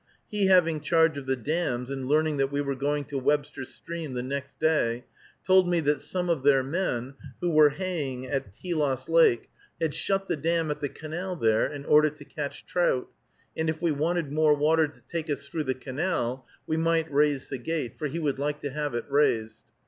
He having charge of the dams, and learning that we were going to Webster Stream the next day, told me that some of their men, who were haying at Telos Lake, had shut the dam at the canal there in order to catch trout, and if we wanted more water to take us through the canal, we might raise the gate, for he would like to have it raised.